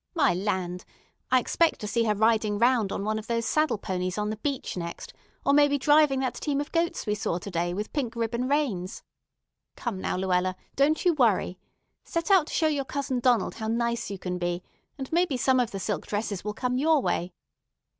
My land! I expect to see her riding round on one of those saddle ponies on the beach next, or maybe driving that team of goats we saw to day, with pink ribbon reins. Come now, Luella, don't you worry. Set out to show your cousin Donald how nice you can be, and maybe some of the silk dresses will come your way.